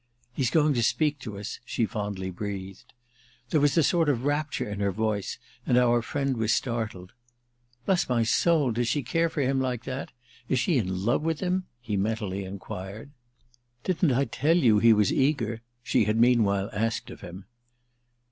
"He's going to speak to us!" she fondly breathed. There was a sort of rapture in her voice, and our friend was startled. "Bless my soul, does she care for him like that?—is she in love with him?" he mentally enquired. "Didn't I tell you he was eager?" she had meanwhile asked of him.